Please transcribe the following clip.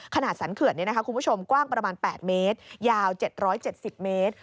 สันเขื่อนคุณผู้ชมกว้างประมาณ๘เมตรยาว๗๗๐เมตร